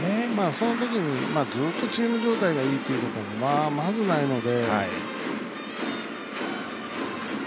そのときにずっとチーム状態がいいってことはまずないので。